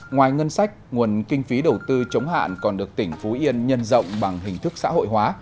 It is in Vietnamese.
ngoài ngân sách nguồn kinh phí đầu tư chống hạn còn được tỉnh phú yên nhân rộng bằng hình thức xã hội hóa